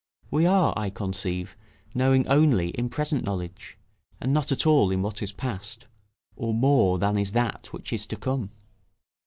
We are, I conceive, knowing only in present knowledge, and not at all in what is past, or more than is that which is to come.